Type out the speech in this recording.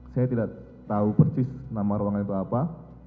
saya tidak tahu persis nama ruangan itu apa